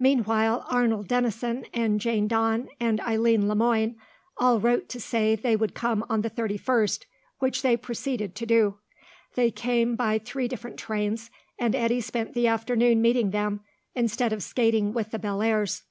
Meanwhile Arnold Denison and Jane Dawn and Eileen Le Moine all wrote to say they would come on the thirty first, which they proceeded to do. They came by three different trains, and Eddy spent the afternoon meeting them, instead of skating with the Bellairs.